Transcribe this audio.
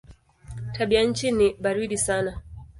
Tabianchi ni baridi sana.